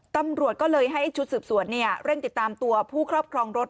ตำรวจก็เลยให้ชุดสืบสวนเร่งติดตามตัวผู้ครอบครองรถ